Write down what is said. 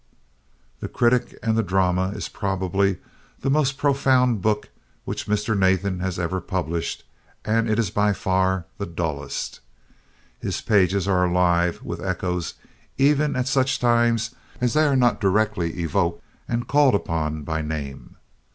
"The Critic and the Drama" is probably the most profound book which Mr. Nathan has ever published and it is by far the dullest. His pages are alive with echoes even at such times as they are not directly evoked and called upon by name.